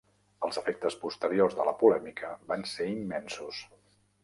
Els efectes posteriors de la polèmica van ser immensos.